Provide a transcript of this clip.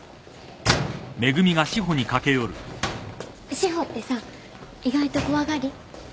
史穂ってさ意外と怖がり？